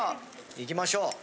いきましょう。